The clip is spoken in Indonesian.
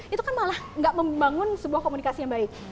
itu kan malah gak membangun sebuah komunikasi yang baik